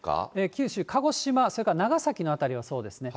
九州、鹿児島、それから長崎の辺りはそうですね。